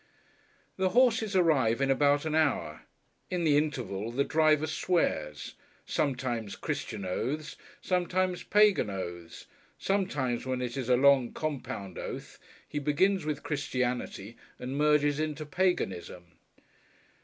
The horses arrive in about an hour. In the interval, the driver swears; sometimes Christian oaths, sometimes Pagan oaths. Sometimes, when it is a long, compound oath, he begins with Christianity and merges into Paganism.